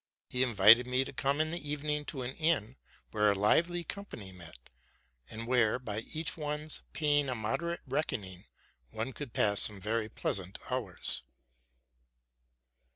He invited me to come in the evening to an inn where a lively company met, and where, by each one's paying a moderate reckoning, one could pass some very pleasant hours.